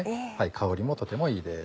香りもとてもいいです。